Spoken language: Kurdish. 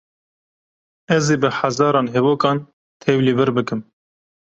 Ez ê bi hezaran hevokan tevlî vir bikim.